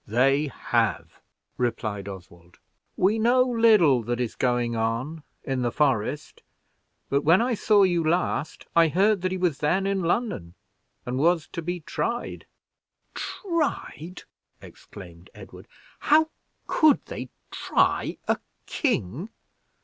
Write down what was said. "They have," replied Oswald. "We in the forest know little that is going on; but when I saw you last, I heard that he was then in London, and was to be tried." "Tried!" exclaimed Edward. "How could they try a king?